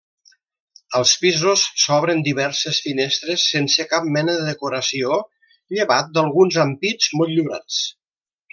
Als pisos s'obren diverses finestres sense cap mena de decoració llevat d'alguns ampits motllurats.